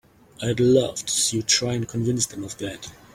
I'd love to see you try and convince them of that!